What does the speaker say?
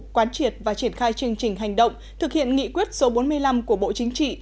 quán triệt và triển khai chương trình hành động thực hiện nghị quyết số bốn mươi năm của bộ chính trị